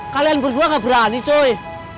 kalian berdua nggak berani cuy